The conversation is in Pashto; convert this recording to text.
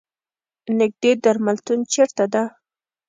نیږدې درملتون چېرته ده؟